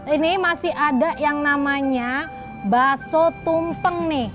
ini masih ada yang namanya bakso tumpeng nih